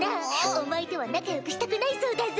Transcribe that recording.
お前とは仲良くしたくないそうだぞ！